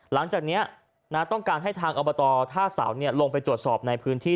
หลังจากนี้ต้องการให้ทางอบตท่าเสาลงไปตรวจสอบในพื้นที่